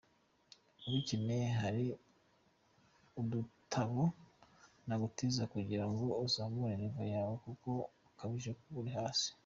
Ubikeneye hari udutabo nagutiza kugira ngo uzamure niveau yawe kuko ikabije kuba hasi.